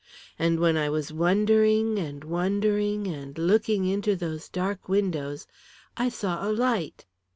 And when I was wondering and wondering and looking into those dark windows I saw a light."